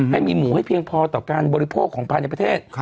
ให้มีหมูให้เพียงพอต่อการบริโภคของภายในประเทศ